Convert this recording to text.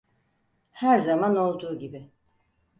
Her zaman olduğu gibi.